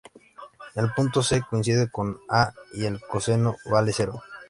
El punto C coincide con A y el coseno vale cero.